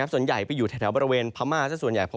ส่วนใหญ่ไปอยู่แถวบริเวณพม่าสักส่วนใหญ่